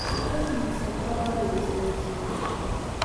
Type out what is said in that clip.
Ur asent-ssenṭaḍeɣ idlisen-nsent.